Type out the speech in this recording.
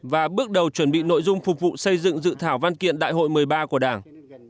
và bước đầu chuẩn bị nội dung phục vụ xây dựng dự thảo văn kiện đại hội một mươi ba của đảng